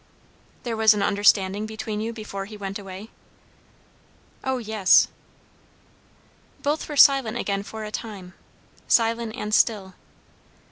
"There was an understanding between you before he went away?" "Oh yes!" Both were silent again for a time; silent and still.